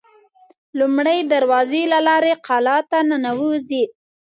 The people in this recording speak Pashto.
لومړۍ دروازې له لارې قلا ته ننوزي.